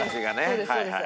そうですそうです。